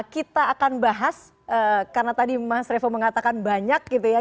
kita akan bahas karena tadi mas revo mengatakan banyak gitu ya